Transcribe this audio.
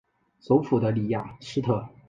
首府的里雅斯特。